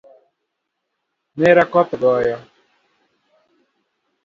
Nera koth goyo